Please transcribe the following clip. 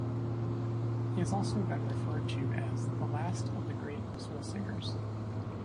He has also been referred to as "The Last of the Great Soul Singers".